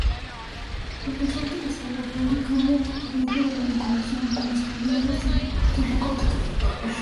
Empezó a utilizar la policromía por medio de la decoración con esgrafiados y terracota.